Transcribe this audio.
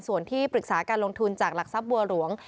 ส่วนที่ปรึกษาการลงทุนจากหลักทรัพย์บัวหลวง